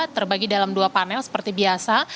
terbagi dalam dua panel seperti biasa